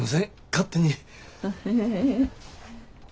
勝手に。